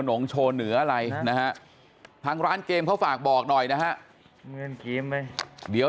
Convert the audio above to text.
งโชว์เหนืออะไรนะฮะทางร้านเกมเขาฝากบอกหน่อยนะฮะเดี๋ยว